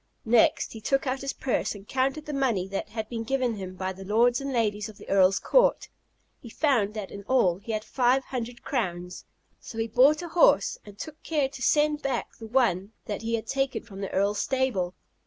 Next he took out his purse, and counted the money that had been given him by the lords and ladies of the Earl's court. He found that in all he had five hundred crowns; so he bought a horse, and took care to send back the one that he had taken from the Earl's stable.